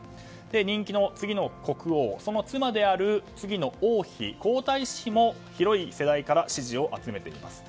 人気の次の国王その妻である次の王妃皇太子妃も広い世代から支持を集めています。